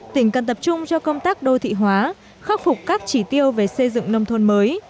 tỉnh cần tập trung cho công tác đô thị hóa khắc phục các chỉ tiêu về xây dựng nông thôn mới